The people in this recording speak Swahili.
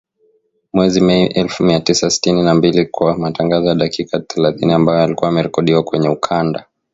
Mwezi Mei elfu mia tisa sitini na mbili kwa matangazo ya dakika thelathini ambayo yalikuwa yamerekodiwa kwenye ukanda